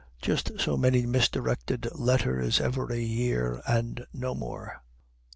Just so many misdirected letters every year and no more!